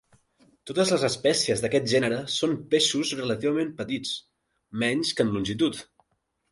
Totes les espècies d'aquest gènere són peixos relativament petits, menys que en longitud.